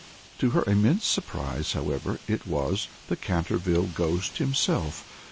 To her immense surprise, however, it was the Canterville ghost himself!